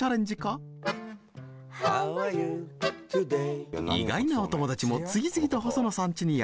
意外なお友達も次々と細野さんちにやって来ます。